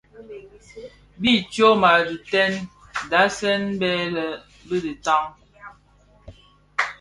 Bi tyoma tidëň dhasèn bè lè dhi bitaň.